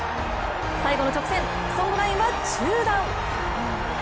最後の直線、ソングラインは中段。